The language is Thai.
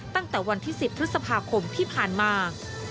ตั้งแต่วันที่๑๐พฤษภาคมที่ผ่านมา